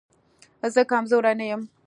زه کمزوری نه يم